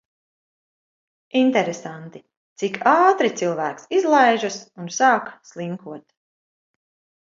Interesanti, cik ātri cilvēks izlaižas un sāk slinkot.